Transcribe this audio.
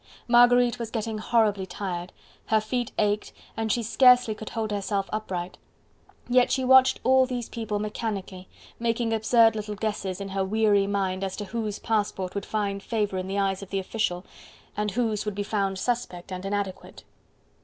Marguerite was getting horribly tired, her feet ached and she scarcely could hold herself upright: yet she watched all these people mechanically, making absurd little guesses in her weary mind as to whose passport would find favour in the eyes of the official, and whose would be found suspect and inadequate.